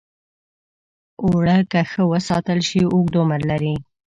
اوړه که ښه وساتل شي، اوږد عمر لري